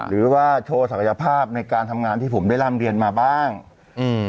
หรือว่าโชว์ศักยภาพในการทำงานที่ผมได้ร่ำเรียนมาบ้างอืม